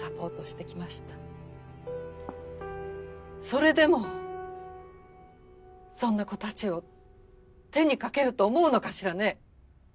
それでもそんな子たちを手にかけると思うのかしらね？